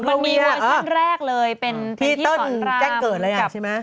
เป็นพี่ต้นแรกเลยเป็นพี่สอนราม